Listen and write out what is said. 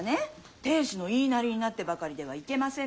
亭主の言いなりになってばかりではいけませぬよ。